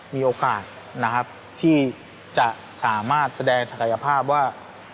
มีโอกาสนะครับที่จะสามารถแสดงศักยภาพว่า